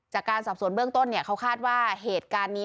จากการสอบสวนเบื้องต้นเขาคาดว่าเหตุการณ์นี้